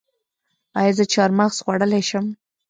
ایا زه چهارمغز خوړلی شم؟